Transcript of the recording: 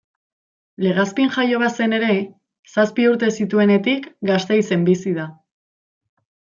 Legazpin jaio bazen ere, zazpi urte zituenetik Gasteizen bizi da.